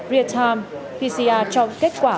rear time pcr cho kết quả